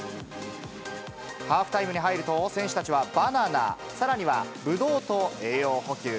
ハーフタイムに入ると、選手たちはバナナ、さらにはぶどうと、栄養補給。